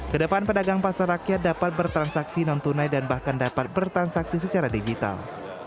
kedepan pedagang pasar rakyat dapat bertransaksi non tunai dan bahkan dapat bertransaksi secara digital